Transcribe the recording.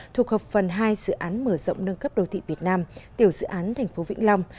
thuộc hợp phần hai dự án mở rộng nâng cấp đô thị việt nam tiểu dự án thành phố vĩnh long